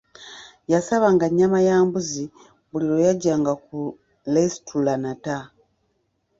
Yasabanga nnyama ya mbuzi buli lwe yajjanga ku lesitulanata.